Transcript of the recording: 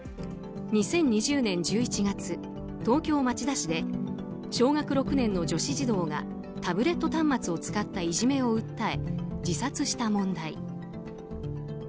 ２０２０年１１月東京・町田市で小学６年の女子児童がタブレット端末を使ったいじめを訴え、自殺した問題。